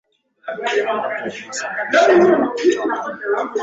Magonjwa yanayosababisha mimba kutoka